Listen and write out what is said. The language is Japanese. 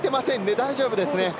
大丈夫ですね。